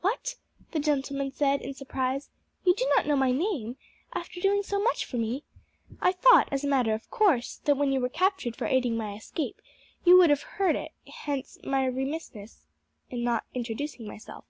"What!" the gentleman said in surprise. "You do not know my name, after doing so much for me! I thought, as a matter of course, that when you were captured for aiding my escape you would have heard it, hence my remissness in not introducing myself.